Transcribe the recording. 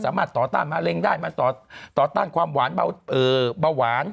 สามารถต่อตั้งมาเล็งได้มาต่อต่อตั้งความหวานบาวหวาน